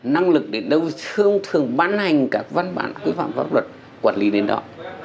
năng lực đến đâu thương thường bán hành các văn bản quy phạm pháp luật quản lý đến đó